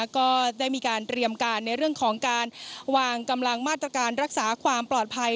ก็ได้มีการเตรียมการในเรื่องของการวางกำลังมาตรการรักษาความปลอดภัย